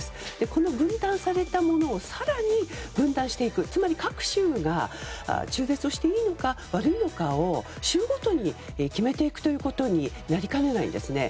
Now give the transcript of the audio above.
この分断されたものを更に分断していくつまり各州が中絶していいのか悪いのかを州ごとに決めていくということになりかねないんですね。